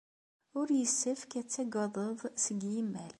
Ur yessefk ad tagaded seg yimal.